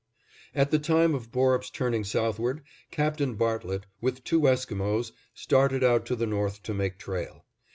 At the time of Borup's turning southward, Captain Bartlett, with two Esquimos, started out to the north to make trail.